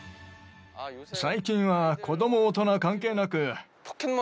最近は子ども大人関係なく。